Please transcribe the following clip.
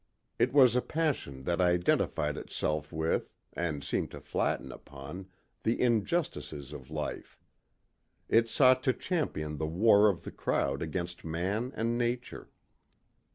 It was a passion that identified itself with, and seemed to fatten upon, the injustices of life. It sought to champion the war of the crowd against man and nature.